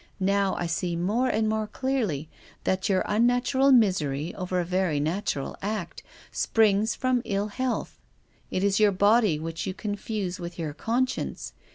Now I see more and more clearly that your unnatural misery over a very natural act springs from ill health. It is your body which you confuse with your conscience.